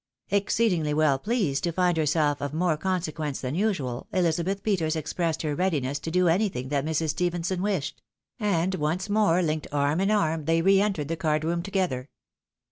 Exceedingly well pleased to find herself of more conse quence than usual, Elizabeth Peters expressed her readiness to do anything that Mrs. Stephenson wished ; and once more linked arm in arm, they re entered the card room together.